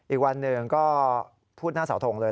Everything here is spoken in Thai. อีกวันหนึ่งก็พูดหน้าเสาทงเลย